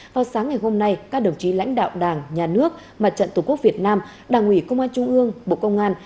vào sáng ngày hôm nay các đồng chí lãnh đạo đảng nhà nước mặt trận tổ quốc việt nam đảng ủy công an trung ương bộ công an